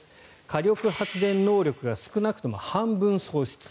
火力発電能力が少なくとも半分喪失。